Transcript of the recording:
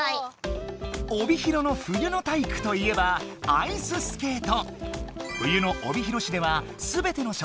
帯広の冬の体育といえばアイススケート！